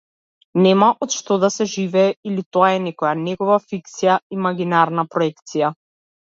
Нема од што да се живее, или тоа е некоја негова фикција, имагинарна проекција.